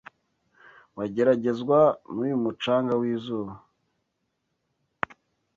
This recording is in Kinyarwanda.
Bageragezwa nuyu mucanga wizuba!